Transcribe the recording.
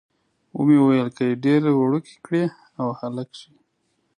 ومې ویل، که یې ډېره وړوکې کړي او هلک شي.